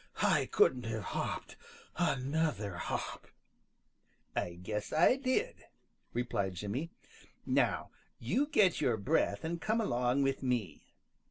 I couldn't have hopped another hop." "I guess I did," replied Jimmy. "Now you get your breath and come along with me."